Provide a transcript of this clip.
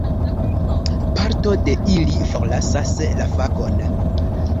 Parto de ili forlasas la fakon.